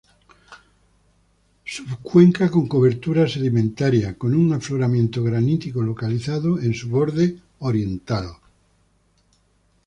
Subcuenca con cobertura sedimentaria, con un afloramiento granítico localizado en su borde oriental.